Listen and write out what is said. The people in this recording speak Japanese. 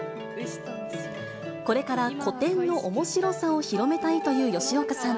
これから古典のおもしろさを広めたいという吉岡さん。